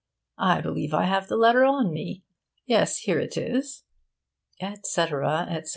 I believe I have the letter on me. Yes, here it is,' etc., etc.!